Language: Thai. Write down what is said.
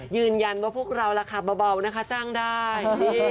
ยืนยันว่าพวกเราละค่ะเบานะคะจ้างได้